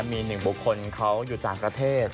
มีหนึ่งบุคคลเขาอยู่ต่างประเทศ